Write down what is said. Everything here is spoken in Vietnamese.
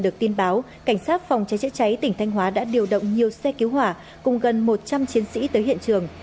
cảnh sát phòng chế chế cháy tỉnh thanh hóa đã điều động nhiều xe cứu hỏa cùng gần một trăm linh chiến sĩ tới hiện trường